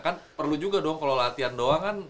kan perlu juga dong kalau latihan doang kan